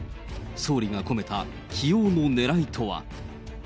総理が込めた起用のねらいとは。